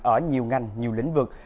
ở nhiều ngành nhiều lĩnh vực